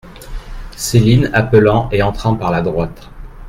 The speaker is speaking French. Céline appelant et entrant par la droite.